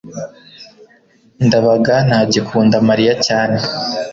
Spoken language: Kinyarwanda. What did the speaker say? ndabaga ntagikunda mariya cyane